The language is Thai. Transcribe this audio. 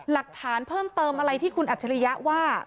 หลักฐานเพิ่มเติมอะไรที่คุณอัจฉริยะว่า